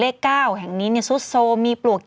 เป็นการถ่ายเอ็มวีที่แพงมากนะฮะ